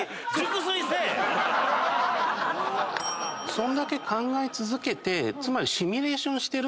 そんだけ考え続けてつまり。